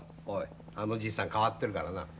おいあのじいさん変わってるからな。